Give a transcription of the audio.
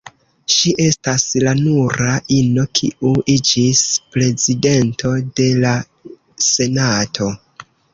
Ŝi estas la nura ino kiu iĝis Prezidento de la Senato.